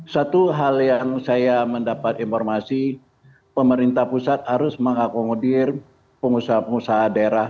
satu hal yang saya mendapat informasi pemerintah pusat harus mengakomodir pengusaha pengusaha daerah